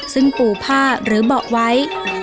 ซึ่งปูผ้าหรือเบาะไว้